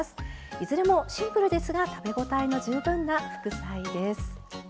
いずれもシンプルですが食べ応えの十分な副菜です。